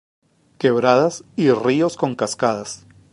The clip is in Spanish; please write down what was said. Quebradas y ríos con cascadas.